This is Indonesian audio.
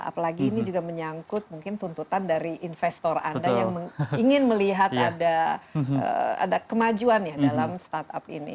apalagi ini juga menyangkut mungkin tuntutan dari investor anda yang ingin melihat ada kemajuan ya dalam startup ini